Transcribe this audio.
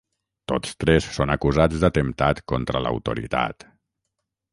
Tots tres són acusats d’atemptat contra l’autoritat.